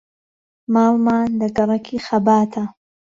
ماڵمان لە گەڕەکی خەباتە.